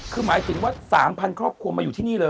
คือหมายถึงว่า๓๐๐ครอบครัวมาอยู่ที่นี่เลย